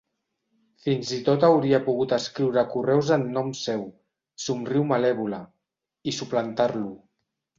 Fins i tot hauria pogut escriure correus en nom seu —somriu malèvola—, i suplantar-lo.